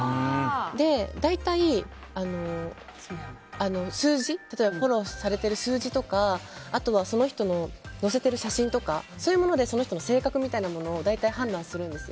大体、例えばフォローされてる数字とかあとはその人の載せてる写真とかそういうもので性格みたいなものを判断するんです。